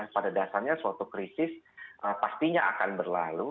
pada dasarnya suatu krisis pastinya akan berlalu